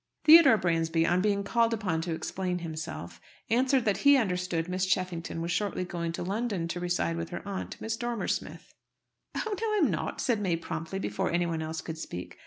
Theodore Bransby, on being called upon to explain himself, answered that he understood Miss Cheffington was shortly going to London to reside with her aunt, Mrs. Dormer Smith. "Oh no, I'm not," said May promptly, before any one else could speak.